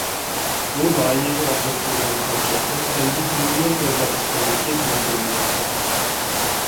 بۇ لايىھەگە ئاجرىتىلغان خامچوتنىڭ ئەللىك مىليون دوللار ئىكەنلىكى بىلدۈرۈلمەكتە.